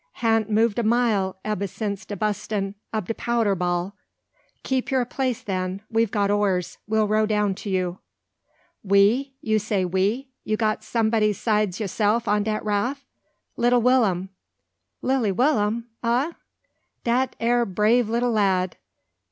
Han't move a mile ebba since de bustin' ob de powder ball." "Keep your place then. We've got oars. We'll row down to you." "We you say we? You got some'dy sides yaself on dat raff?" "Little Will'm." "Lilly Willum, ah? dat ere brave lilly lad.